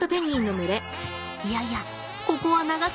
いやいやここは長崎。